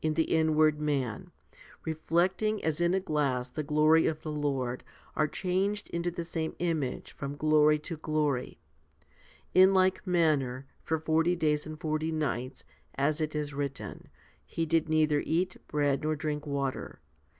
54 FIFTY SPIRITUAL HOMILIES inward man, reflecting as in a glass the glory of the Lord, are changed into the same image from glory to glory. , l In like manner, for forty days and forty nights, as it is written, he did neither eat bread nor drink water.